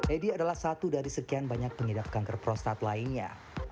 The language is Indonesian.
edi adalah satu dari sekian banyak pengidap kanker prostat lainnya